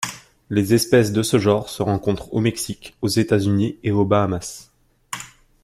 Les espèces de ce genre se rencontrent au Mexique, aux États-Unis et aux Bahamas.